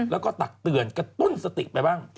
แล้วก็ตักเตือนกระตุ้นสติไปบ้าง